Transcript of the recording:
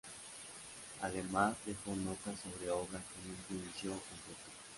Además dejó notas sobre obras que nunca inició o completó.